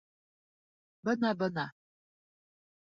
Бына-бына.